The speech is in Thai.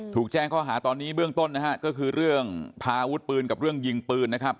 แจ้งข้อหาตอนนี้เบื้องต้นนะฮะก็คือเรื่องพาอาวุธปืนกับเรื่องยิงปืนนะครับ